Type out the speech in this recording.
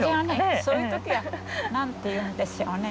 そういう時は何て言うんでしょうね